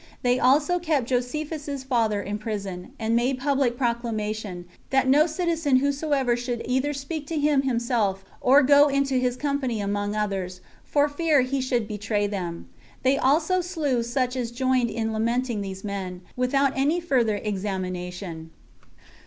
They also kept Josephus's father in prison, and made public proclamation, that no citizen whosoever should either speak to him himself, or go into his company among others, for fear he should betray them. They also slew such as joined in lamenting these men, without any further examination.